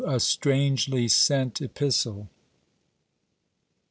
A STRANGELY SENT EPISTLE.